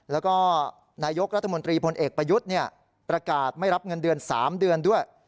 แล้วก็นายกรัฐมนตรีพลเอกประยุทธ์ประกาศไม่รับเงินเดือน๓เดือนด้วย